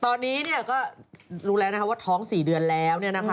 ตอนนี้ก็รู้แล้วนะคะว่าท้อง๔เดือนแล้ว